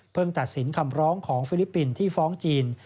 ตัดสินคำร้องของฟิลิปปินส์ที่ฟ้องจีน